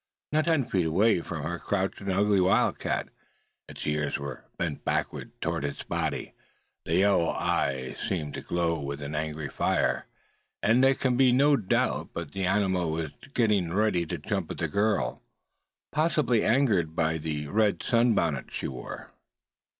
Not ten feet away from her crouched an ugly wildcat. Its ears were bent backward toward its body; the yellow eyes seemed to glow with an ugly fire; and there could be no doubt but that the animal was getting ready to jump at the girl, possibly angered by the red sunbonnet she wore.